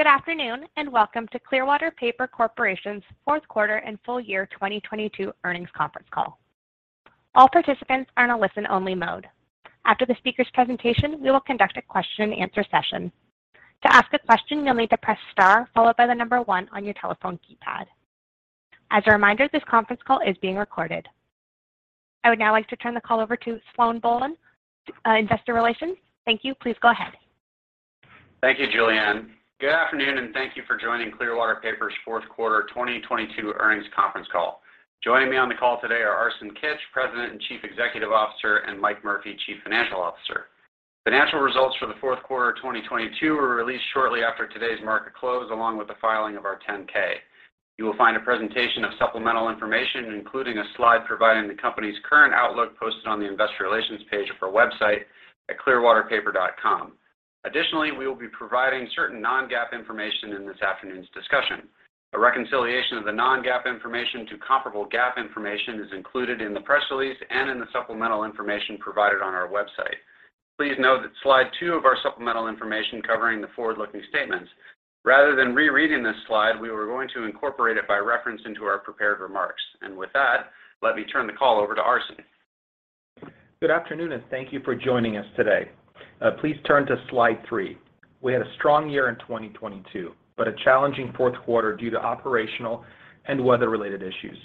Good afternoon, welcome to Clearwater Paper Corporation's Q4 and full year 2022 earnings conference call. All participants are in a listen-only mode. After the speaker's presentation, we will conduct a Q&A session. To ask a question, you'll need to press star followed by the number one on your telephone keypad. As a reminder, this conference call is being recorded. I would now like to turn the call over to Sloan Bohlen, Investor Relations. Thank you. Please go ahead. Thank you, Julianne. Good afternoon, thank you for joining Clearwater Paper's Q4 2022 earnings conference call. Joining me on the call today are Arsen Kitch, President and Chief Executive Officer, and Mike Murphy, Chief Financial Officer. The financial results for the Q4 of 2022 were released shortly after today's market close, along with the filing of our 10-K. You will find a presentation of supplemental information, including a slide providing the company's current outlook, posted on the investor relations page of our website at clearwaterpaper.com. Additionally, we will be providing certain non-GAAP information in this afternoon's discussion. A reconciliation of the non-GAAP information to comparable GAAP information is included in the press release and in the supplemental information provided on our website. Please note that slide two of our supplemental information covering the forward-looking statements. Rather than rereading this slide, we were going to incorporate it by reference into our prepared remarks. With that, let me turn the call over to Arsen. Good afternoon, thank you for joining us today. Please turn to slide three. We had a strong year in 2022, but a challenging Q4 due to operational and weather-related issues.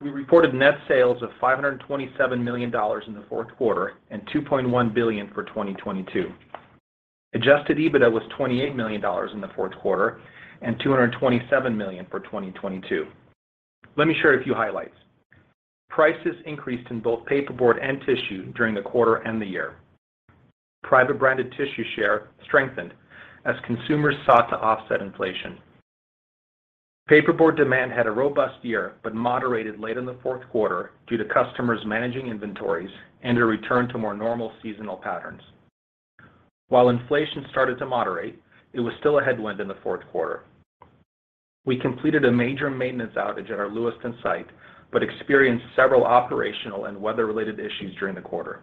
We reported net sales of $527 million in the Q4 and $2.1 billion for 2022. Adjusted EBITDA was $28 million in the Q4 and $227 million for 2022. Let me share a few highlights. Prices increased in both paperboard and tissue during the quarter and the year. Private branded tissue share strengthened as consumers sought to offset inflation. Paperboard demand had a robust year, but moderated late in the Q4 due to customers managing inventories and a return to more normal seasonal patterns. While inflation started to moderate, it was still a headwind in the Q4. We completed a major maintenance outage at our Lewiston site, experienced several operational and weather-related issues during the quarter.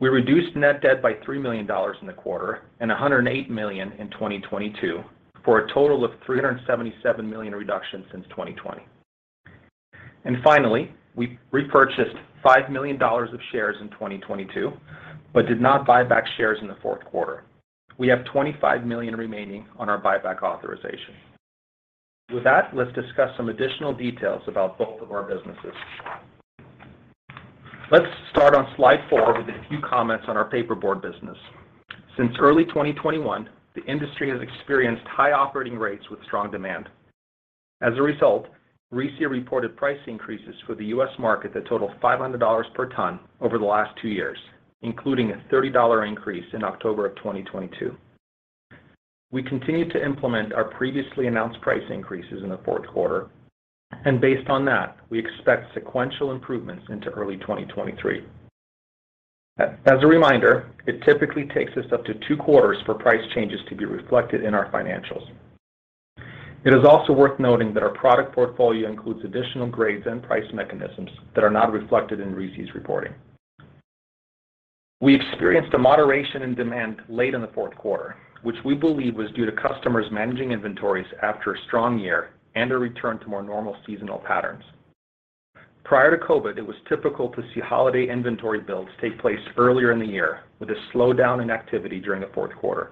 We reduced net debt by $3 million in the quarter and $108 million in 2022, for a total of $377 million reduction since 2020. Finally, we repurchased $5 million of shares in 2022, but did not buy back shares in the Q4. We have $25 million remaining on our buyback authorization. With that, let's discuss some additional details about both of our businesses. Let's start on slide four with a few comments on our paperboard business. Since early 2021, the industry has experienced high operating rates with strong demand. As a result, RISI reported price increases for the U.S. market that total $500 per ton over the last two years, including a $30 increase in October of 2022. We continued to implement our previously announced price increases in the Q4. Based on that, we expect sequential improvements into early 2023. As a reminder, it typically takes us up to two quarters for price changes to be reflected in our financials. It is also worth noting that our product portfolio includes additional grades and price mechanisms that are not reflected in RISI's reporting. We experienced a moderation in demand late in the Q4, which we believe was due to customers managing inventories after a strong year and a return to more normal seasonal patterns. Prior to COVID, it was typical to see holiday inventory builds take place earlier in the year with a slowdown in activity during the Q4.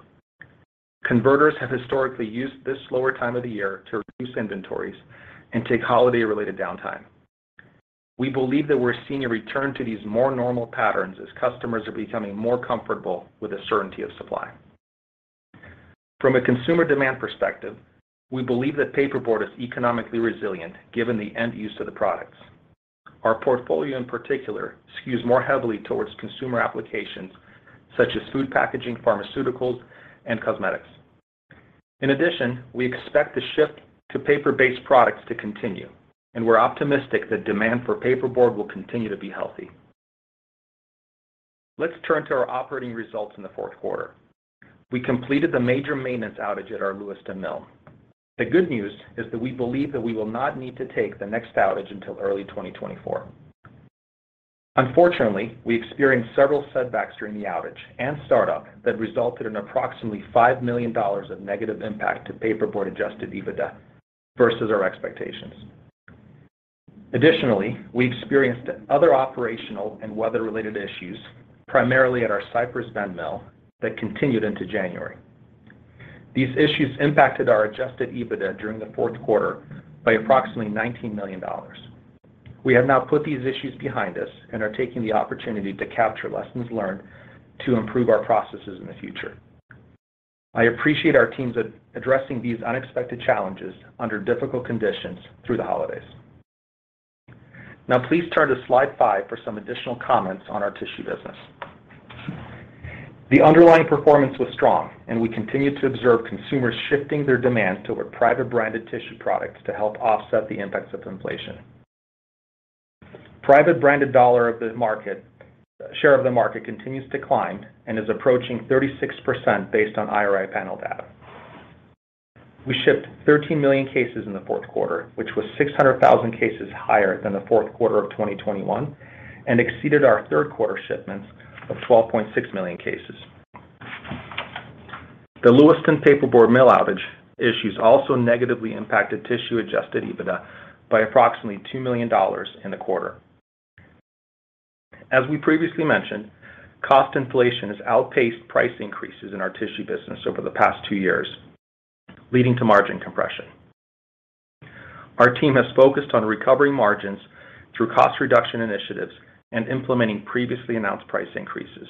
Converters have historically used this slower time of the year to reduce inventories and take holiday-related downtime. We believe that we're seeing a return to these more normal patterns as customers are becoming more comfortable with the certainty of supply. From a consumer demand perspective, we believe that paperboard is economically resilient given the end use of the products. Our portfolio in particular skews more heavily towards consumer applications such as food packaging, pharmaceuticals, and cosmetics. In addition, we expect the shift to paper-based products to continue, and we're optimistic that demand for paperboard will continue to be healthy. Let's turn to our operating results in the Q4. We completed the major maintenance outage at our Lewiston mill. The good news is that we believe that we will not need to take the next outage until early 2024. Unfortunately, we experienced several setbacks during the outage and startup that resulted in approximately $5 million of negative impact to paperboard Adjusted EBITDA versus our expectations. We experienced other operational and weather-related issues, primarily at our Cypress Bend mill, that continued into January. These issues impacted our Adjusted EBITDA during the Q4 by approximately $19 million. We have now put these issues behind us and are taking the opportunity to capture lessons learned to improve our processes in the future. I appreciate our teams addressing these unexpected challenges under difficult conditions through the holidays. Please turn to slide five for some additional comments on our tissue business. The underlying performance was strong, and we continued to observe consumers shifting their demand toward private branded tissue products to help offset the impacts of inflation. Private branded share of the market continues to climb and is approaching 36% based on IRI panel data. We shipped 13 million cases in the Q4, which was 600,000 cases higher than the Q4 of 2021 and exceeded our Q3 shipments of 12.6 million cases. The Lewiston paperboard mill outage issues also negatively impacted tissue Adjusted EBITDA by approximately $2 million in the quarter. As we previously mentioned, cost inflation has outpaced price increases in our tissue business over the past two years, leading to margin compression. Our team has focused on recovering margins through cost reduction initiatives and implementing previously announced price increases.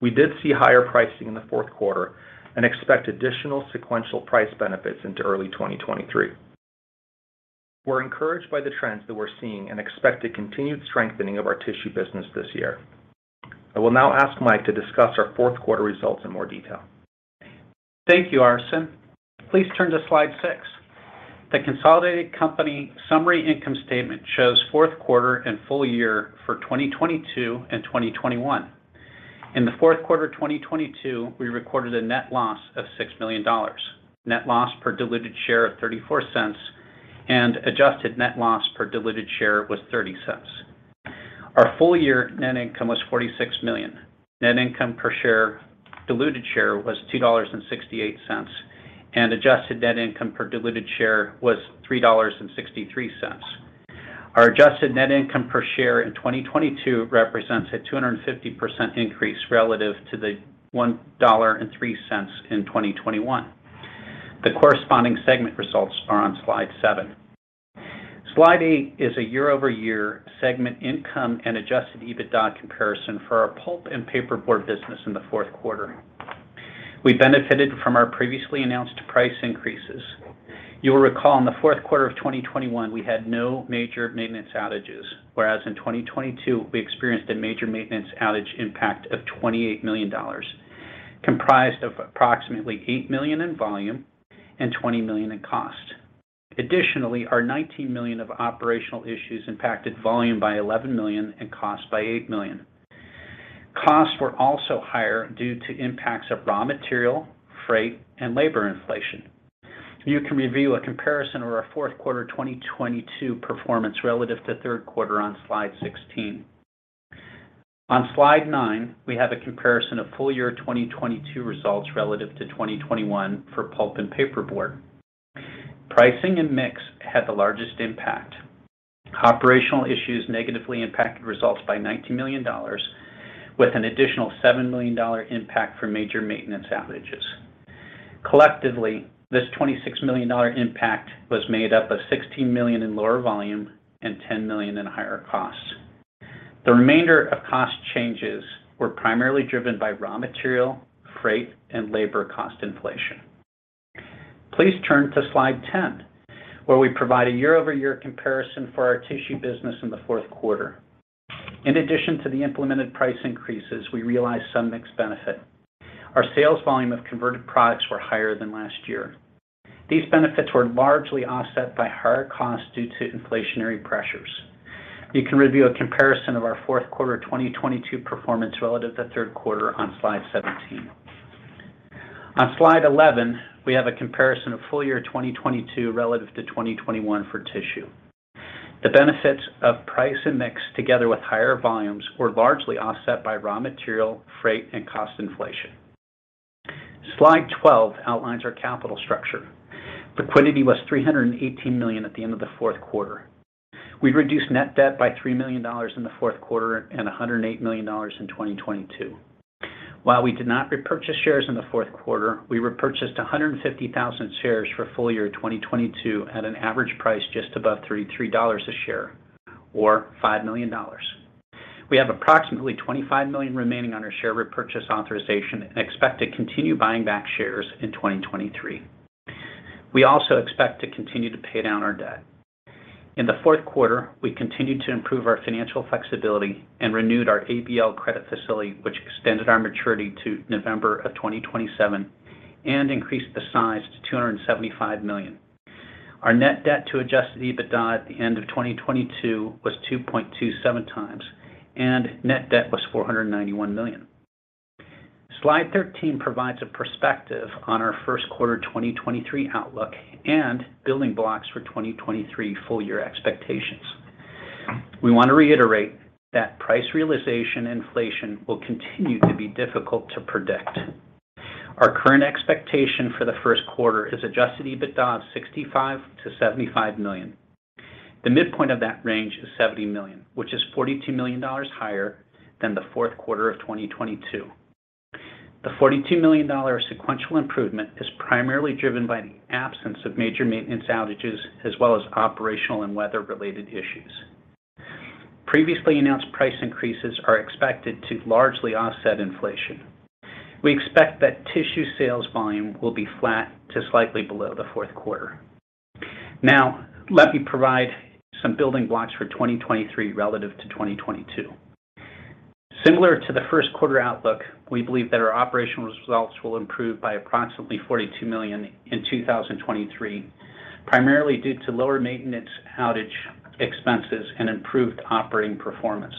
We did see higher pricing in the Q4 and expect additional sequential price benefits into early 2023. We're encouraged by the trends that we're seeing and expect a continued strengthening of our tissue business this year. I will now ask Mike to discuss our Q4 results in more detail. Thank you, Arsen. Please turn to slide six. The consolidated company summary income statement shows Q4 and full year for 2022 and 2021. In the Q4 of 2022, we recorded a net loss of $6 million. Net loss per diluted share of $0.34 and adjusted net loss per diluted share was $0.30. Our full year net income was $46 million. Net income per share, diluted share was $2.68, and adjusted net income per diluted share was $3.63. Our adjusted net income per share in 2022 represents a 250% increase relative to the $1.03 in 2021. The corresponding segment results are on slide seven. Slide eight is a year-over-year segment income and Adjusted EBITDA comparison for our pulp and paperboard business in the Q4. We benefited from our previously announced price increases. You'll recall in the Q4 of 2021, we had no major maintenance outages, whereas in 2022 we experienced a major maintenance outage impact of $28 million, comprised of approximately $8 million in volume and $20 million in cost. Our $19 million of operational issues impacted volume by $11 million and cost by $8 million. Costs were also higher due to impacts of raw material, freight, and labor inflation. You can review a comparison of our Q4 2022 performance relative to Q3 on slide 16. On slide nine, we have a comparison of full year 2022 results relative to 2021 for pulp and paperboard. Pricing and mix had the largest impact. Operational issues negatively impacted results by $19 million with an additional $7 million impact for major maintenance outages. Collectively, this $26 million impact was made up of $16 million in lower volume and $10 million in higher costs. The remainder of cost changes were primarily driven by raw material, freight, and labor cost inflation. Please turn to slide 10, where we provide a year-over-year comparison for our tissue business in the Q4. In addition to the implemented price increases, we realized some mixed benefit. Our sales volume of converted products were higher than last year. These benefits were largely offset by higher costs due to inflationary pressures. You can review a comparison of our Q4 2022 performance relative to Q3 on slide 17. On slide 11, we have a comparison of full year 2022 relative to 2021 for tissue. The benefits of price and mix together with higher volumes were largely offset by raw material, freight, and cost inflation. Slide twelve outlines our capital structure. Liquidity was $318 million at the end of the Q4. We've reduced net debt by $3 million in the Q4 and $108 million in 2022. While we did not repurchase shares in the Q4, we repurchased 150,000 shares for full year 2022 at an average price just above $33 a share or $5 million. We have approximately $25 million remaining on our share repurchase authorization and expect to continue buying back shares in 2023. We also expect to continue to pay down our debt. In the Q4, we continued to improve our financial flexibility and renewed our ABL credit facility, which extended our maturity to November 2027 and increased the size to $275 million. Our net debt to Adjusted EBITDA at the end of 2022 was 2.27x. Net debt was $491 million. Slide 13 provides a perspective on our Q1 2023 outlook and building blocks for 2023 full year expectations. We want to reiterate that price realization inflation will continue to be difficult to predict. Our current expectation for the Q1 is Adjusted EBITDA of $65 million to $75 million. The midpoint of that range is $70 million, which is $42 million higher than the Q4 of 2022. The $42 million sequential improvement is primarily driven by the absence of major maintenance outages as well as operational and weather-related issues. Previously announced price increases are expected to largely offset inflation. We expect that tissue sales volume will be flat to slightly below the Q4. Let me provide some building blocks for 2023 relative to 2022. Similar to the Q1 outlook, we believe that our operational results will improve by approximately $42 million in 2023, primarily due to lower maintenance outage expenses and improved operating performance.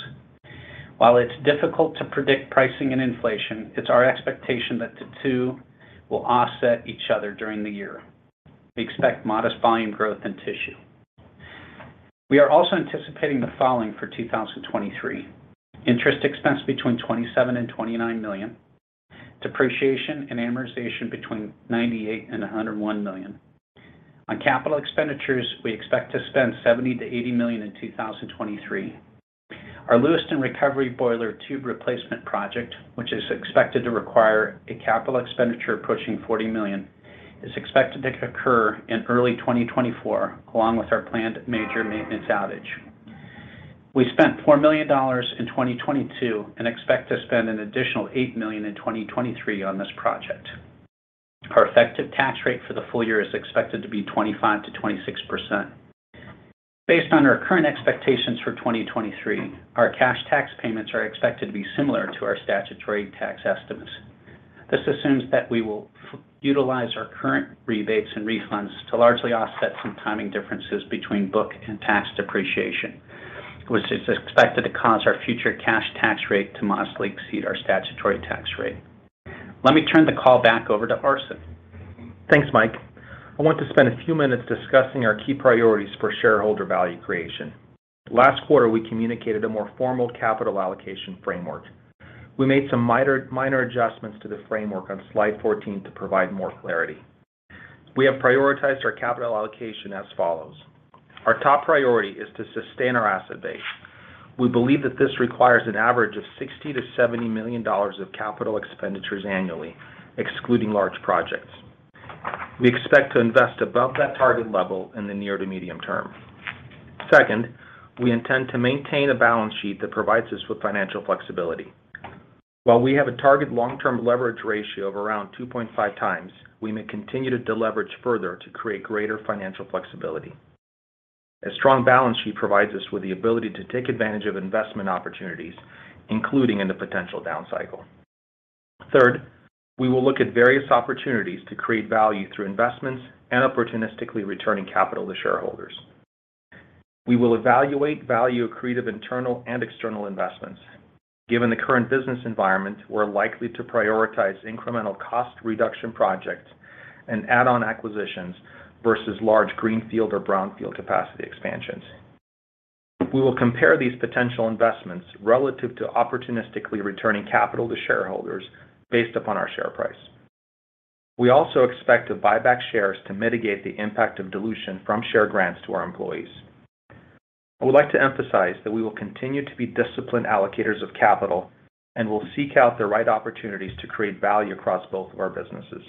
While it's difficult to predict pricing and inflation, it's our expectation that the two will offset each other during the year. We expect modest volume growth in tissue. We are also anticipating the following for 2023: interest expense between $27 million and $29 million, depreciation and amortization between $98 million and $101 million. On capital expenditures, we expect to spend $70 million to $80 million in 2023. Our Lewiston recovery boiler tube replacement project, which is expected to require a capital expenditure approaching $40 million, is expected to occur in early 2024, along with our planned major maintenance outage. We spent $4 million in 2022, and expect to spend an additional $8 million in 2023 on this project. Our effective tax rate for the full year is expected to be 25% to 26%. Based on our current expectations for 2023, our cash tax payments are expected to be similar to our statutory tax estimates. This assumes that we will utilize our current rebates and refunds to largely offset some timing differences between book and tax depreciation, which is expected to cause our future cash tax rate to modestly exceed our statutory tax rate. Let me turn the call back over to Arsen. Thanks, Mike. I want to spend a few minutes discussing our key priorities for shareholder value creation. Last quarter, we communicated a more formal capital allocation framework. We made some minor adjustments to the framework on slide 14 to provide more clarity. We have prioritized our capital allocation as follows. Our top priority is to sustain our asset base. We believe that this requires an average of $60 million to $70 million of capital expenditures annually, excluding large projects. We expect to invest above that target level in the near to medium term. Second, we intend to maintain a balance sheet that provides us with financial flexibility. While we have a target long-term leverage ratio of around 2.5x, we may continue to deleverage further to create greater financial flexibility. A strong balance sheet provides us with the ability to take advantage of investment opportunities, including in the potential down cycle. Third, we will look at various opportunities to create value through investments and opportunistically returning capital to shareholders. We will evaluate value-accretive internal and external investments. Given the current business environment, we're likely to prioritize incremental cost reduction projects and add-on acquisitions versus large greenfield or brownfield capacity expansions. We will compare these potential investments relative to opportunistically returning capital to shareholders based upon our share price. We also expect to buy back shares to mitigate the impact of dilution from share grants to our employees. I would like to emphasize that we will continue to be disciplined allocators of capital, and will seek out the right opportunities to create value across both of our businesses.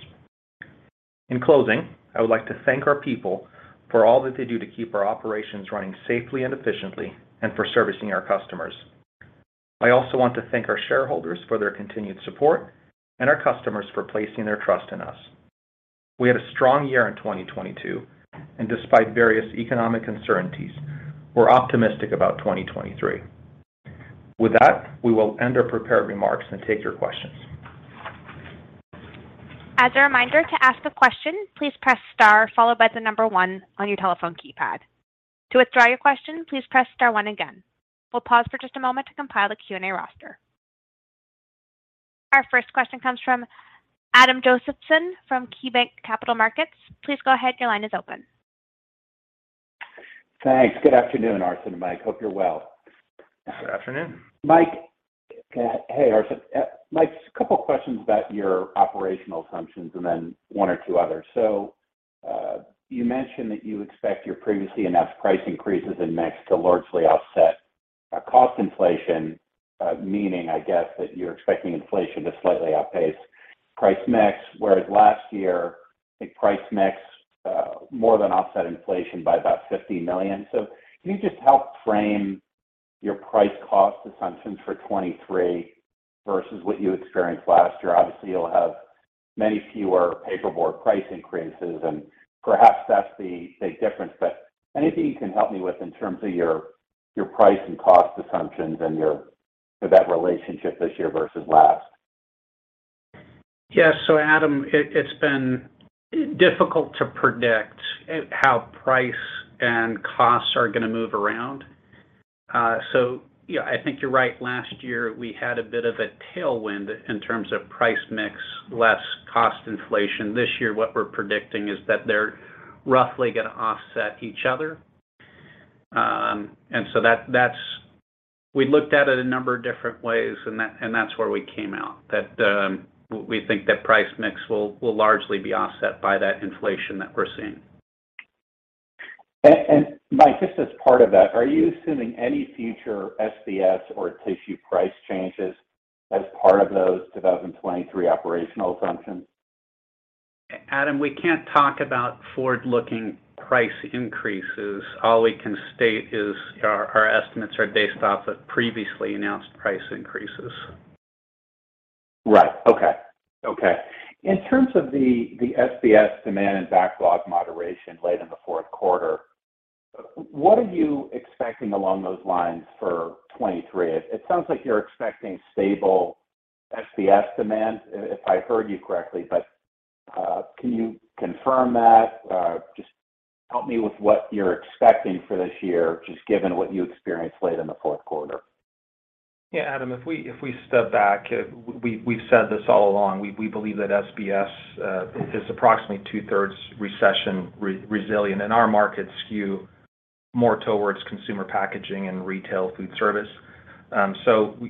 In closing, I would like to thank our people for all that they do to keep our operations running safely and efficiently and for servicing our customers. I also want to thank our shareholders for their continued support and our customers for placing their trust in us. We had a strong year in 2022, and despite various economic uncertainties, we're optimistic about 2023. With that, we will end our prepared remarks and take your questions. As a reminder, to ask a question, please press star followed by the number one on your telephone keypad. To withdraw your question, please press star one again. We'll pause for just a moment to compile a Q&A roster. Our first question comes from Adam Josephson from KeyBanc Capital Markets. Please go ahead, your line is open. Thanks. Good afternoon, Arsen and Mike. Hope you're well. Good afternoon. Hey, Arsen. Mike, a couple questions about your operational assumptions and then one or two others. You mentioned that you expect your previously announced price increases in mix to largely offset cost inflation, meaning I guess that you're expecting inflation to slightly outpace price mix. Whereas last year, I think price mix more than offset inflation by about $50 million. Can you just help frame your price cost assumptions for 2023 versus what you experienced last year? Obviously, you'll have many fewer paperboard price increases, and perhaps that's the difference. Anything you can help me with in terms of your price and cost assumptions or that relationship this year versus last? Adam, it's been difficult to predict how price and costs are gonna move around. Yeah, I think you're right. Last year, we had a bit of a tailwind in terms of price mix less cost inflation. This year, what we're predicting is that they're roughly gonna offset each other. We looked at it a number of different ways, and that, and that's where we came out, that we think that price mix will largely be offset by that inflation that we're seeing. Mike, just as part of that, are you assuming any future SBS or tissue price changes as part of those 2023 operational assumptions? Adam, we can't talk about forward-looking price increases. All we can state is our estimates are based off of previously announced price increases. Right. Okay. Okay. In terms of the SBS demand and backlog moderation late in the Q4, what are you expecting along those lines for 2023? It sounds like you're expecting stable SBS demand, if I heard you correctly. Can you confirm that? Just help me with what you're expecting for this year, just given what you experienced late in the Q4. Adam, if we step back, we've said this all along, we believe that SBS is approximately two-thirds recession resilient, our markets skew more towards consumer packaging and retail food service.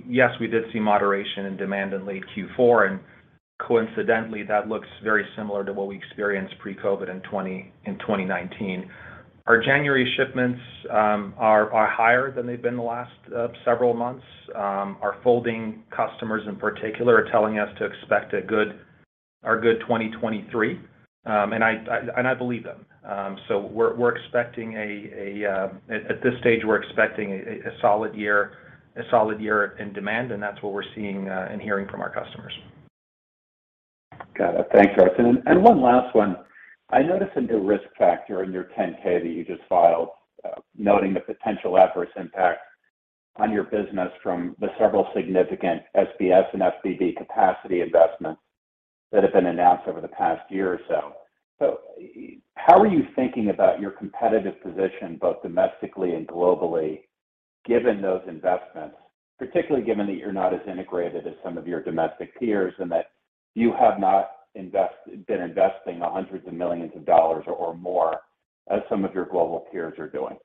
Yes, we did see moderation in demand in late Q4, coincidentally, that looks very similar to what we experienced pre-COVID in 2019. Our January shipments are higher than they've been the last several months. Our folding customers in particular are telling us to expect a good 2023. I believe them. At this stage, we're expecting a solid year in demand, that's what we're seeing and hearing from our customers. Got it. Thanks, Arsen. One last one. I noticed a new risk factor in your 10-K that you just filed, noting the potential adverse impact on your business from the several significant SBS and FBB capacity investments that have been announced over the past year or so. How are you thinking about your competitive position, both domestically and globally, given those investments, particularly given that you're not as integrated as some of your domestic peers and that you have not been investing hundreds of millions of dollars or more as some of your global peers are doing?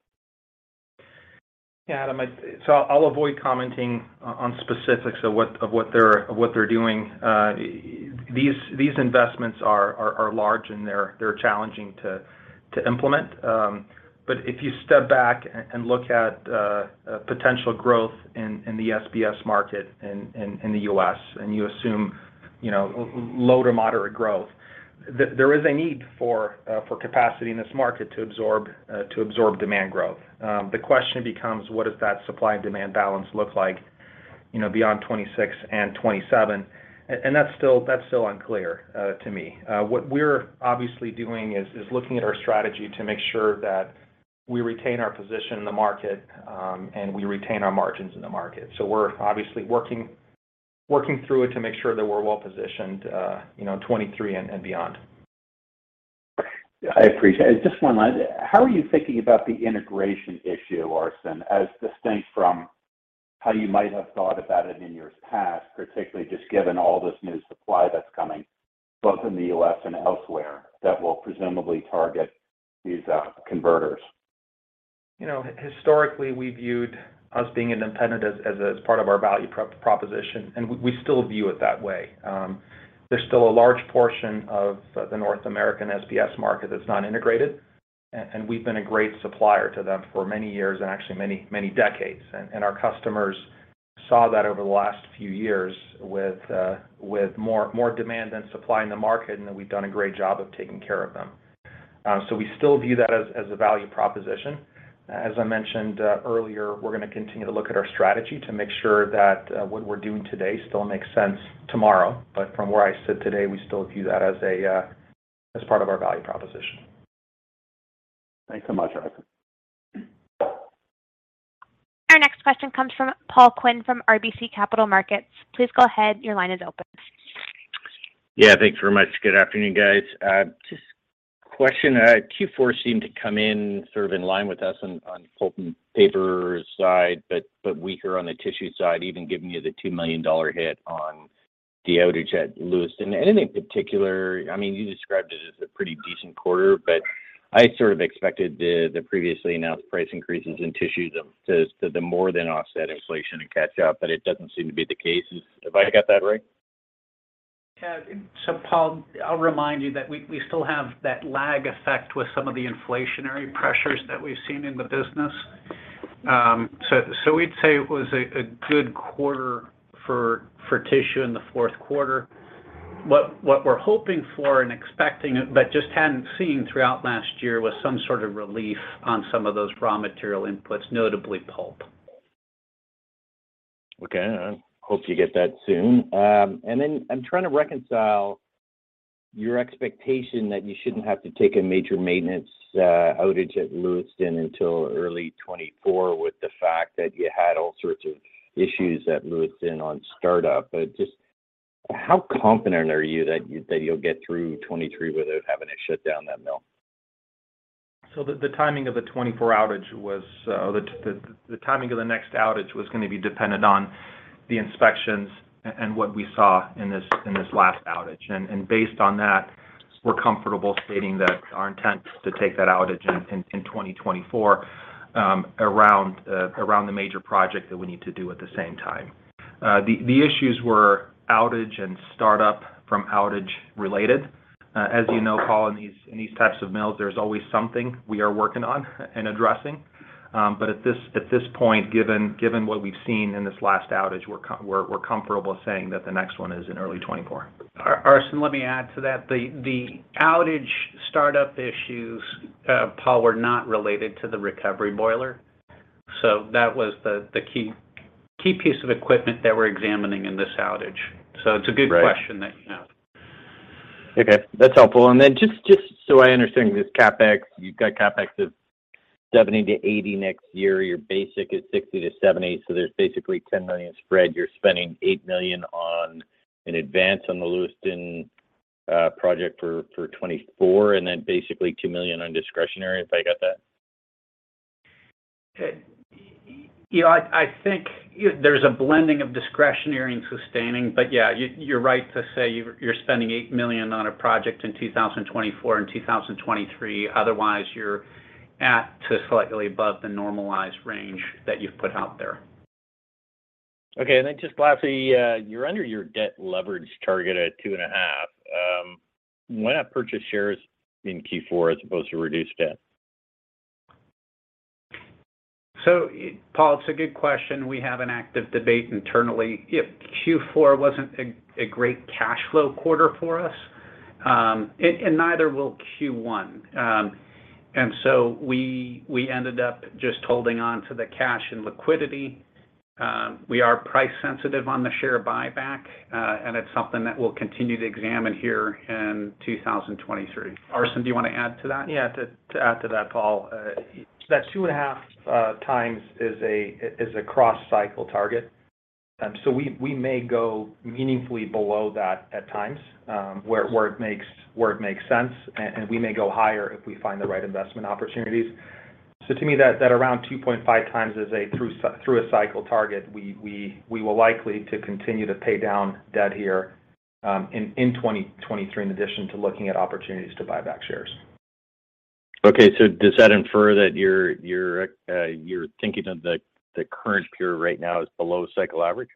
Adam, I'll avoid commenting on specifics of what they're doing. These investments are large and they're challenging to implement. If you step back and look at potential growth in the SBS market in the U.S. and you assume, you know, low to moderate growth, there is a need for capacity in this market to absorb demand growth. The question becomes, what does that supply and demand balance look like, you know, beyond 2026 and 2027? That's still unclear to me. What we're obviously doing is looking at our strategy to make sure that we retain our position in the market and we retain our margins in the market. We're obviously working through it to make sure that we're well positioned, you know, 2023 and beyond. I appreciate it. Just one last. How are you thinking about the integration issue, Arsen, as distinct from how you might have thought about it in years past, particularly just given all this new supply that's coming, both in the U.S. and elsewhere, that will presumably target these converters? You know, historically, we viewed us being independent as a part of our value proposition, and we still view it that way. There's still a large portion of the North American SBS market that's not integrated and we've been a great supplier to them for many years and actually many decades. Our customers saw that over the last few years with more demand than supply in the market, and we've done a great job of taking care of them. We still view that as a value proposition. As I mentioned earlier, we're gonna continue to look at our strategy to make sure that what we're doing today still makes sense tomorrow. From where I sit today, we still view that as a part of our value proposition. Thanks so much, Arsen. Our next question comes from Paul Quinn from RBC Capital Markets. Please go ahead. Your line is open. Yeah. Thanks very much. Good afternoon, guys. Just question, Q4 seemed to come in sort of in line with us on the pulp and paper side, but weaker on the tissue side, even giving you the $2 million hit on the outage at Lewiston. Anything particular, I mean, you described it as a pretty decent quarter, but I sort of expected the previously announced price increases in tissue to more than offset inflation and catch up. It doesn't seem to be the case. Have I got that right? Yeah. Paul, I'll remind you that we still have that lag effect with some of the inflationary pressures that we've seen in the business. We'd say it was a good quarter for tissue in the Q4. What we're hoping for and expecting, but just hadn't seen throughout last year was some sort of relief on some of those raw material inputs, notably pulp. Okay. I hope you get that soon. I'm trying to reconcile your expectation that you shouldn't have to take a major maintenance outage at Lewiston until early 2024 with the fact that you had all sorts of issues at Lewiston on startup. Just how confident are you that you'll get through 2023 without having to shut down that mill? The timing of the next outage was gonna be dependent on the inspections and what we saw in this last outage. Based on that, we're comfortable stating that our intent is to take that outage in 2024, around the major project that we need to do at the same time. The issues were outage and startup from outage related. As you know, Paul, in these types of mills, there's always something we are working on and addressing. At this point, given what we've seen in this last outage, we're comfortable saying that the next one is in early 2024. Arsen, let me add to that. The outage startup issues, Paul, were not related to the recovery boiler. That was the key piece of equipment that we're examining in this outage. Right. It's a good question that you have. Okay. That's helpful. Just so I understand this CapEx, you've got CapEx of $70 million to $80 million next year. Your basic is $60 million to $70 million, there's basically $10 million spread. You're spending $8 million on an advance on the Lewiston project for 2024, basically $2 million on discretionary. If I got that. You know, I think there's a blending of discretionary and sustaining. Yeah, you're right to say you're spending $8 million on a project in 2024 and 2023. Otherwise, you're at to slightly above the normalized range that you've put out there. Okay. Just lastly, you're under your debt leverage target at 2.5. Why not purchase shares in Q4 as opposed to reduced debt? Paul, it's a good question. We have an active debate internally. Q4 wasn't a great cash flow quarter for us, and neither will Q1. We ended up just holding on to the cash and liquidity. We are price sensitive on the share buyback, and it's something that we'll continue to examine here in 2023. Arsen, do you wanna add to that? To add to that, Paul, that 2.5x is a cross-cycle target. We may go meaningfully below that at times, where it makes sense, and we may go higher if we find the right investment opportunities. To me, that around 2.5x is a through-cycle target. We will likely to continue to pay down debt here in 2023, in addition to looking at opportunities to buy back shares. Okay. Does that infer that you're thinking of the current period right now as below cycle average?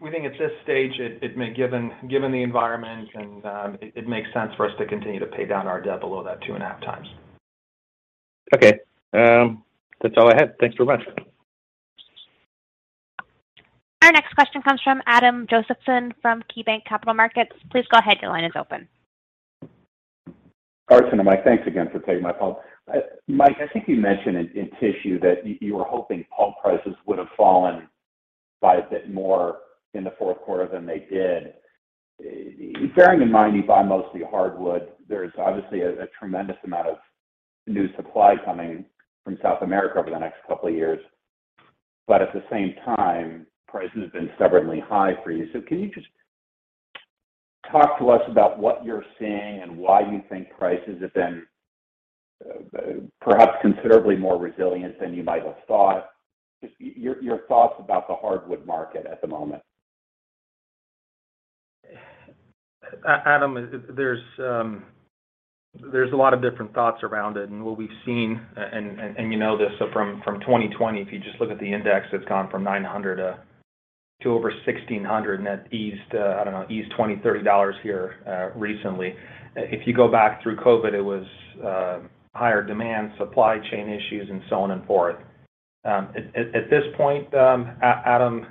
We think at this stage it may given the environment and it makes sense for us to continue to pay down our debt below that two and a half times. Okay. That's all I had. Thanks very much. Our next question comes from Adam Josephson from KeyBanc Capital Markets. Please go ahead. Your line is open. Arsen and Mike, thanks again for taking my call. Mike, I think you mentioned in tissue that you were hoping pulp prices would have fallen by a bit more in the Q4 than they did. Bearing in mind you buy mostly hardwood, there's obviously a tremendous amount of new supply coming from South America over the next couple of years. At the same time, prices have been stubbornly high for you. Can you just talk to us about what you're seeing and why you think prices have been, perhaps considerably more resilient than you might have thought? Just your thoughts about the hardwood market at the moment. Adam, there's a lot of different thoughts around it and what we've seen and you know this from 2020, if you just look at the index, it's gone from 900 to over 1,600, and that eased, I don't know, $20 to $30 here recently. If you go back through COVID, it was higher demand, supply chain issues and so on and forth. At this point, Adam,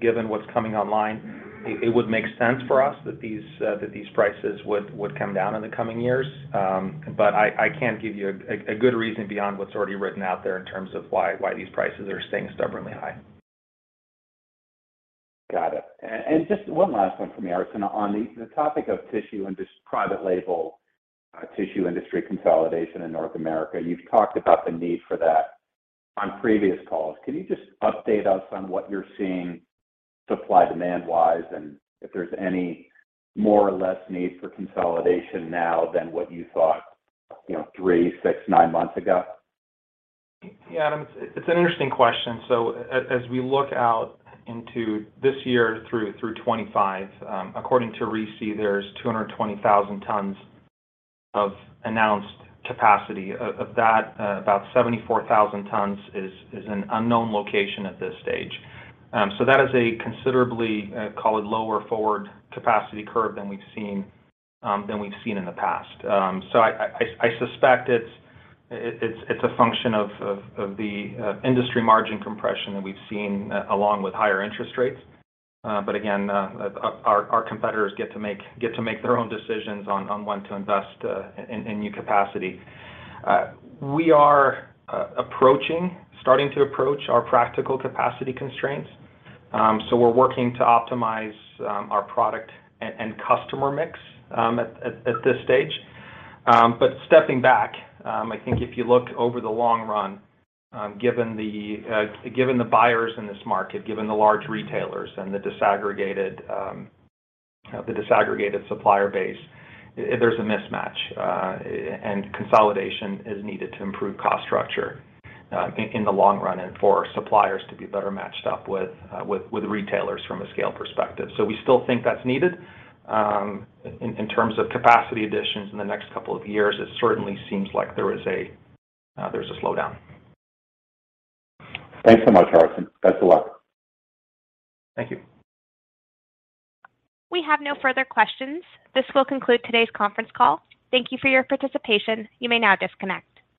given what's coming online, it would make sense for us that these prices would come down in the coming years. I can't give you a good reason beyond what's already written out there in terms of why these prices are staying stubbornly high. Got it. Just one last one from me, Arsen. On the topic of tissue and just private label tissue industry consolidation in North America, you've talked about the need for that on previous calls. Can you just update us on what you're seeing supply/demand-wise, and if there's any more or less need for consolidation now than what you thought, you know, three, six, nine months ago? Yeah, Adam, it's an interesting question. As we look out into this year through 2025, according to RISI, there's 220,000 tons of announced capacity. Of that, about 74,000 tons is an unknown location at this stage. That is a considerably lower forward capacity curve than we've seen in the past. I suspect it's a function of the industry margin compression that we've seen along with higher interest rates. Again, our competitors get to make their own decisions on when to invest in new capacity. We are starting to approach our practical capacity constraints, so we're working to optimize our product and customer mix at this stage. Stepping back, I think if you look over the long run, given the buyers in this market, given the large retailers and the disaggregated supplier base, there's a mismatch, consolidation is needed to improve cost structure in the long run and for suppliers to be better matched up with retailers from a scale perspective. We still think that's needed. In terms of capacity additions in the next couple of years, it certainly seems like there is a there's a slowdown. Thanks so much, Arsen. Best of luck. Thank you. We have no further questions. This will conclude today's conference call. Thank you for your participation. You may now disconnect.